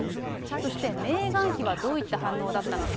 そしてメーガン妃はどういった反応だったのか。